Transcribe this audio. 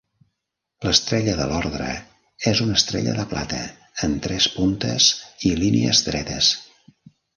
L'estrella de l'ordre és una estrella de plata amb tres puntes i línies dretes.